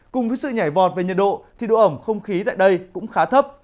cùng với sự nhảy vọt về nhiệt độ thì độ ẩm không khí tại đây cũng khá thấp